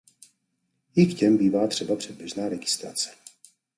I k těm bývá třeba předběžná registrace.